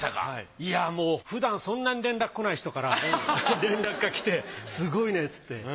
いやもうふだんそんなに連絡来ない人から連絡が来てすごいねつって。